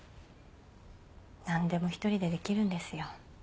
何でも一人でできるんですよ。